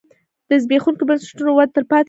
د زبېښونکو بنسټونو وده تلپاتې نه ده.